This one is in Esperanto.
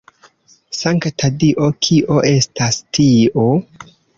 Sankta Dio, kio estas tio?